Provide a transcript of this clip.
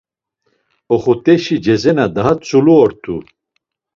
Oxuteşi Cezena daha tzulu ort̆u.